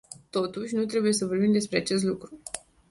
Totuși, nu trebuie să vorbim despre acest lucru.